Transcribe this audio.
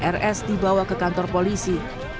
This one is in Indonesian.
rs dibawa ke kantor polisi